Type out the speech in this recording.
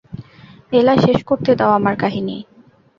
এলা, শেষ করতে দাও আমার কাহিনী।